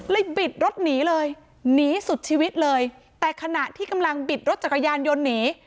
บิดรถหนีเลยหนีสุดชีวิตเลยแต่ขณะที่กำลังบิดรถจักรยานยนต์หนี